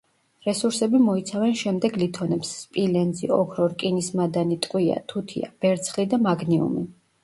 რესურსები მოიცავენ შემდეგ ლითონებს: სპილენძი, ოქრო, რკინის მადანი, ტყვია, თუთია, ვერცხლი და მაგნიუმი.